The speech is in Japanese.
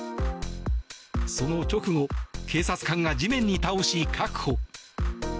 その直後、警察官が地面に倒し確保。